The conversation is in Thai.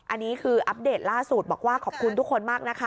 อันนี้คืออัปเดตล่าสุดบอกว่าขอบคุณทุกคนมากนะคะ